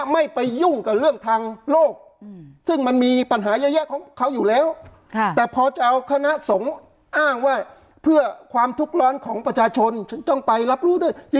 ไม่ไปยุ่งกับเรื่องทางโลกซึ่งมันมีปัญหาเยอะแยะของเขาอยู่แล้วแต่พอจะเอาคณะสงฆ์อ้างว่าเพื่อความทุกข์ร้อนของประชาชนฉันต้องไปรับรู้ด้วย